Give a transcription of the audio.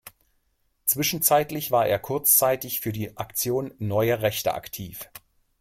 Zwischenzeitlich war er kurzzeitig für die Aktion Neue Rechte aktiv.